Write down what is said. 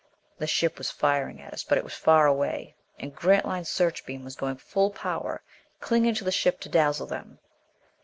The ship was firing at us, but it was far away. And Grantline's searchbeam was going full power, clinging to the ship to dazzle them.